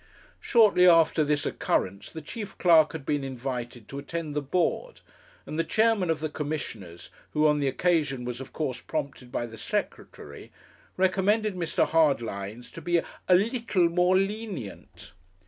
Shortly after this occurrence the chief clerk had been invited to attend the Board, and the Chairman of the Commissioners, who, on the occasion, was of course prompted by the Secretary, recommended Mr. Hardlines to be a leetle more lenient.